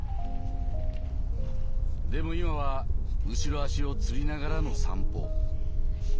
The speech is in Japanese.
でも今は後ろ足をつりながらの散歩。